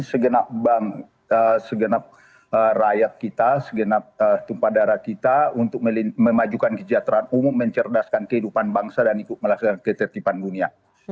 segenap rakyat kita segenap tumpah darah kita untuk memajukan kesejahteraan umum mencerdaskan kehidupan bangsa dan ikut melaksanakan ketertiban dunia